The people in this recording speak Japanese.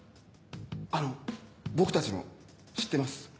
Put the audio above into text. あの僕たちも知ってます。